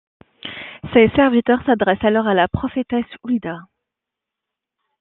Ses serviteurs s'adressent alors à la prophétesse Houldah.